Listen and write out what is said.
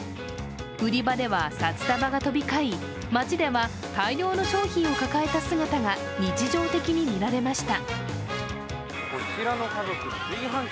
売り場では札束が飛び交い、街では大量の商品を抱えた姿が日常的に見られました。